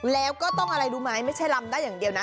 แล้วก็ต้องอะไรรู้ไหมไม่ใช่ลำได้อย่างเดียวนะ